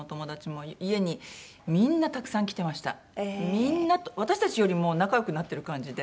みんなと私たちよりも仲良くなってる感じで。